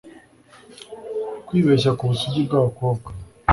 kwibeshya ku busugi bw'abakobwa